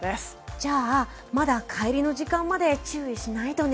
じゃあまだ帰りの時間まで注意しないとね。